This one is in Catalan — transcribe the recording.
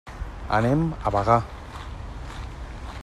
Anem a Bagà.